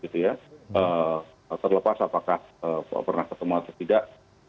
terlepas apakah pernah ketemu atau tidak